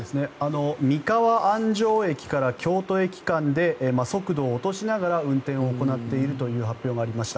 三河安城駅から京都駅間で速度を落としながら運転を行っているという発表がありました。